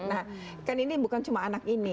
nah kan ini bukan cuma anak ini